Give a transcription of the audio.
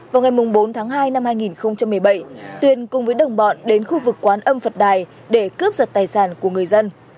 vào ngày bốn tháng hai năm hai nghìn một mươi bảy tuyên cùng với đồng bọn đến khu vực quán âm phật đài để cướp giật tài sản của người dân